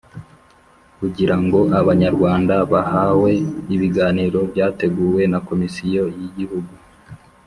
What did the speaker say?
Kugira ngo Abanyarwanda bahawe ibiganiro byateguwe na Komisiyo y Igihugu